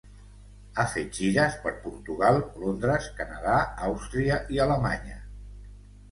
Ha fet gires per Portugal, Londres, Canadà, Àustria i Alemanya.